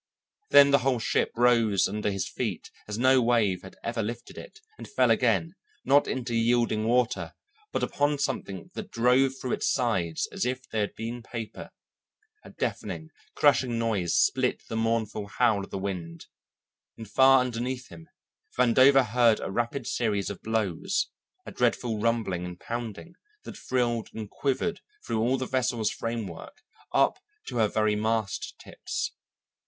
Then the whole ship rose under his feet as no wave had ever lifted it, and fell again, not into yielding water, but upon something that drove through its sides as if they had been paper. A deafening, crashing noise split the mournful howl of the wind, and far underneath him Vandover heard a rapid series of blows, a dreadful rumbling and pounding that thrilled and quivered through all the vessel's framework up to her very mast tips.